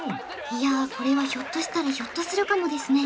いやこれはひょっとしたらひょっとするかもですね